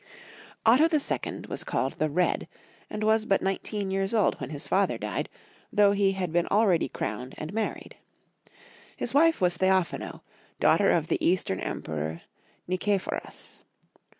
1000 1024 OTTO II. was called the Red, and was but nineteen years old when his father died, though he had been already crowned and married. His wife was Theophano, daughter of the Eastern Emperor Nicephorus.